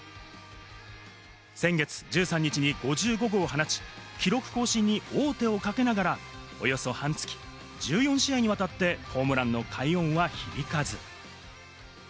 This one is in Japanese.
先月１３日に５５号を放ち、記録更新に王手をかけながら、およそ半月、１４試合にわたってホームランの快音は響かず。